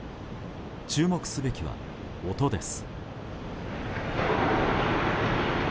注目すべきは、音です。